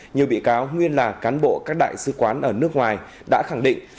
nhiều bị cáo nguyên là cán bộ các đại sứ quán ở nước ngoài đã khẳng định